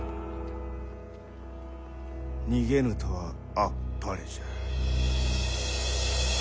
逃げぬとはあっぱれじゃ。